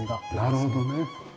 なるほどね。